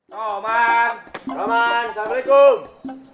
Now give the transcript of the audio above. salam salam assalamualaikum